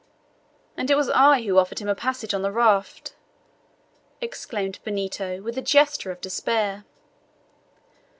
"And it was I who offered him a passage on the raft!" exclaimed Benito, with a gesture of despair.